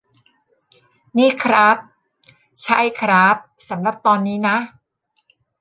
นี่ครับ ใช่ครับ สำหรับตอนนี้นะ